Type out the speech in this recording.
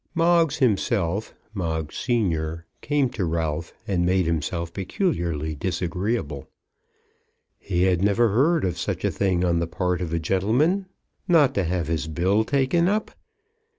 Moggs himself, Moggs senior, came to Ralph, and made himself peculiarly disagreeable. He had never heard of such a thing on the part of a gentleman! Not to have his bill taken up!